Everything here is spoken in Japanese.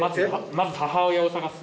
「まず母親をさがす」